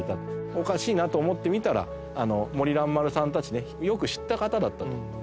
おかしいなと思って見たら森蘭丸さんたちねよく知った方だったと。